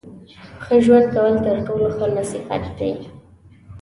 ښه ژوند کول تر ټولو ښه نصیحت دی.